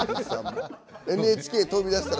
ＮＨＫを飛び出したら。